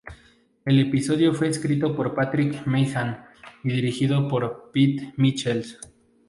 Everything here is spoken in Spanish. El episodio fue escrito por Patrick Meighan y dirigido por Pete Michels.